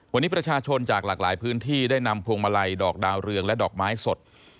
วันนี้ประชาชนจากหลากหลายพื้นที่ได้นำพวงมาลัยดอกดาวเรืองและดอกไม้สด